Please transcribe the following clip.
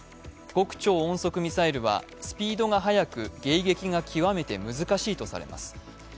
極超音速ミサイルはスピードが速く迎撃が極めて難しいとされます